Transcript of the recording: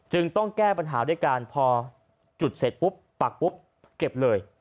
ต้องแก้ปัญหาด้วยการพอจุดเสร็จปุ๊บปักปุ๊บเก็บเลย